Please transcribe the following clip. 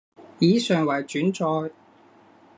以上為轉載